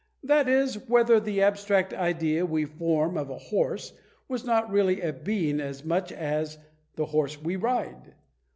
That is, whether the abstract idea we form of a horse was not really a being as much as the horse we ride!